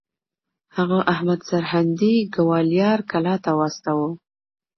هغه احمد سرهندي ګوالیار کلا ته واستوه.